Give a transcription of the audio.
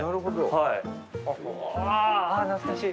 はい。